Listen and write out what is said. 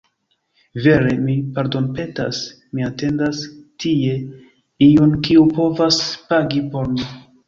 Vere, mi pardonpetas. Mi atendas tie iun kiu povas pagi por mi